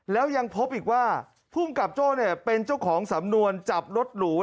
แล้วยังพบอีกว่าภูมิกับโจ้เป็นเจ้าของสำนวนจับรถหรู